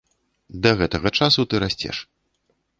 Да гэтага часу ты расцеш.